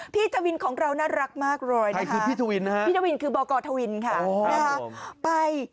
พี่ทวินของเราน่ารักมากเลยนะคะพี่ทวินคือบกทวินค่ะนะครับไป